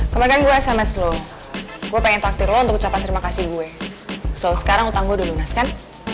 kemarin gue sms lo gue pengen takdir lo untuk ucapan terima kasih gue so sekarang utang gue dulu mas kan